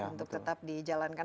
untuk tetap dijalankan